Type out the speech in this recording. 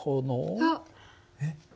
あっあっ。